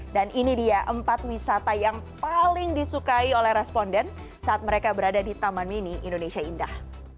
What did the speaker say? dan ini dia empat wisata yang paling disukai oleh responden saat mereka berada di taman mini indonesia indah